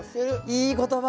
いい言葉。